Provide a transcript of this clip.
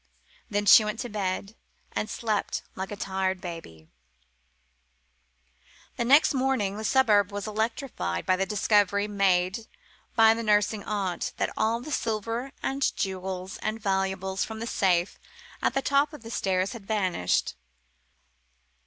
Then she went to bed, and slept like a tired baby. Next morning the suburb was electrified by the discovery, made by the nursing aunt, that all the silver and jewels and valuables from the safe at the top of the stairs had vanished.